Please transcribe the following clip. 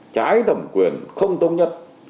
trái thẩm quyền không tôn nhất